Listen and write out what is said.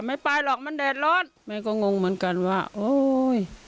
ไม่ไปหรอกมันแดดร้อนแม่ก็งงเหมือนกันว่าโอ้ย